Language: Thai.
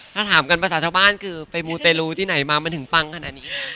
ถ้าถามกันภาษาชาวบ้านคือไปมูเตรลูที่ไหนมามันถึงปังขนาดนี้